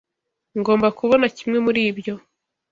Ngomba kubona kimwe muri ibyo.